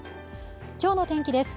今日の天気です